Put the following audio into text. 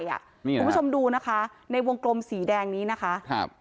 คุณผู้ชมดูนะคะในวงกลมสีแดงนี้นะคะ